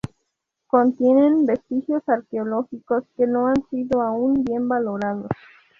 Contienen vestigios arqueológicos que no han sido aún bien valorados.